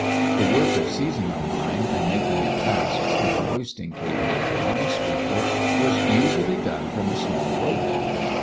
The work of seizing a mine and making it fast to the hoisting cable of the mine sweeper was usually done from a small rowboat.